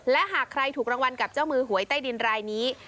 และหากใครถูกรางวัลกับเจ้ามือหวยใต้ดินรายนี้